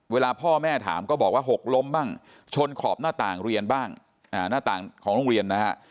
เวลาพ่อแม่ถามก็บอกว่าหกล้มบ้างชนขอบหน้าต่างเรียนบ้างหน้าต่างของโรงเรียนนะฮะ